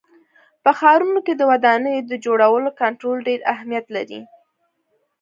په ښارونو کې د ودانیو د جوړولو کنټرول ډېر اهمیت لري.